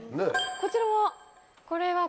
こちらは？